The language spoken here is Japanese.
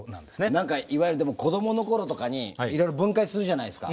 何かいわゆるでも子供の頃とかにいろいろ分解するじゃないですか。